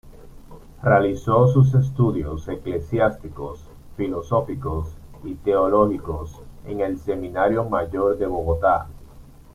Realizó sus estudios eclesiásticos, filosóficos y teológicos en el Seminario Mayor de Bogotá.